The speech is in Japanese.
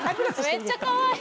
めっちゃかわいい。